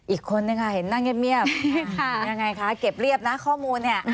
อีกคนนึงค่ะเห็นหน้าเงียบยังไงคะเก็บเรียบนะข้อมูลเนี่ย